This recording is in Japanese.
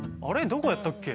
どこやったっけ？